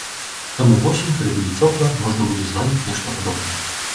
Таму ўвосень, калі будзе цёпла, можна будзе зладзіць нешта падобнае.